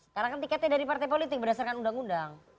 karena kan tiketnya dari partai politik berdasarkan undang undang